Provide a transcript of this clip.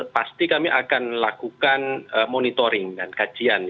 pasti kami akan lakukan monitoring dan kajian